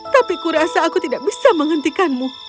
tapi kurasa aku tidak bisa menghentikanmu